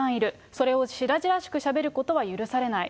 それを白々しくしゃべることは許されない。